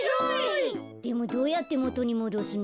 でもどうやってもとにもどすの？